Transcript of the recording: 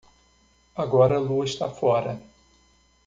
Agora a lua está fora.